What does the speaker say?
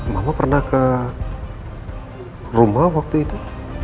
mama pernah ke rumah waktu itu